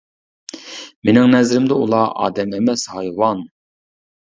مىنىڭ نەزىرىمدە ئۇلار ئادەم ئەمەس ھايۋان.